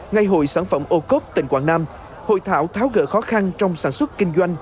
ngày hội sản phẩm ô cốp tỉnh quảng nam hội thảo tháo gỡ khó khăn trong sản xuất kinh doanh